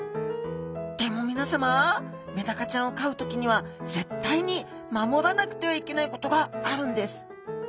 でも皆さまメダカちゃんを飼う時には絶対に守らなくてはいけないことがあるんです。